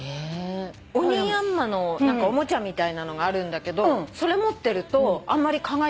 オニヤンマのおもちゃみたいなのがあるんだけどそれ持ってるとあんまり蚊が寄ってこないらしいよ。